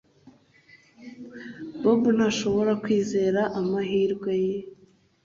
Bobo ntashobora kwizera amahirwe ye